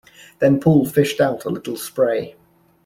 Then Paul fished out a little spray.